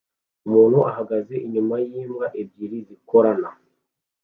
Umuntu uhagaze inyuma yimbwa ebyiri zikorana